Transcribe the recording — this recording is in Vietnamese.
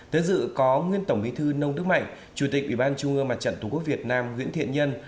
tới dự có nguyên tổng bí thư nông đức mạnh chủ tịch ủy ban trung ương mặt trận tổ quốc việt nam nguyễn thiện nhân